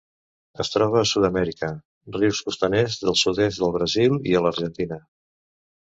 Es troba a Sud-amèrica: rius costaners del sud-est del Brasil i a l'Argentina.